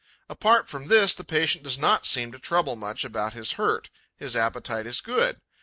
Apart from this, the patient does not seem to trouble much about his hurt; his appetite is good.